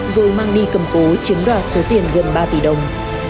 rồi mang đi cầm cố chiếm đoạt số tiền gần ba tỷ đồng